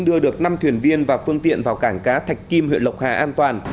đưa được năm thuyền viên và phương tiện vào cảng cá thạch kim huyện lộc hà an toàn